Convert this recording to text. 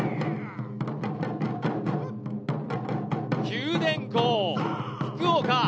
九電工・福岡。